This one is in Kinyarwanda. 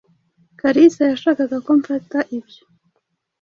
Kalisa yashakaga ko mfata ibyo.